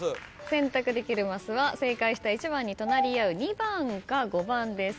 選択できるマスは正解した１番に隣り合う２番か５番です。